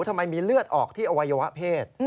ทำไมมีเลือดออกที่อวัยวะเพศ